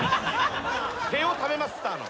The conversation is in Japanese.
毛を食べますスターの。